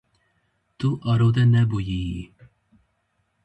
Tu arode nebûyîyî.